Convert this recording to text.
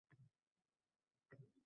Men oldindan band qilib qo'yganman